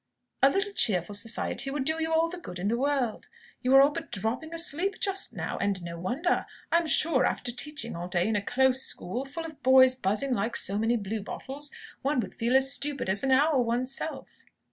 A little cheerful society would do you all the good in the world. You were all but dropping asleep just now: and no wonder! I'm sure, after teaching all day in a close school, full of boys buzzing like so many blue bottles, one would feel as stupid as an owl oneself!"